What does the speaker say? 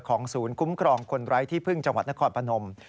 ศูนย์คุ้มครองคนไร้ที่พึ่งจังหวัดนครพนม